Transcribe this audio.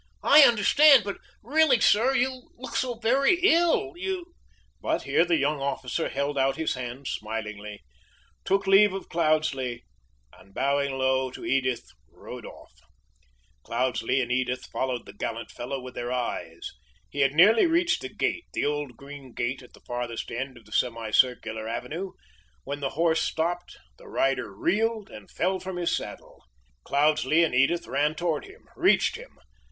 "I understand, but really, sir, you look very ill you " But here the young officer held out his hand smilingly, took leave of Cloudesley, and bowing low to Edith, rode off. Cloudesley and Edith followed the gallant fellow with their eyes. He had nearly reached the gate, the old green gate at the farthest end of the semi circular avenue, when the horse stopped, the rider reeled and fell from his saddle. Cloudesley and Edith ran toward him reached him.